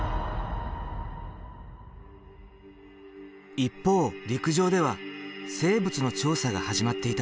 一方陸上では生物の調査が始まっていた。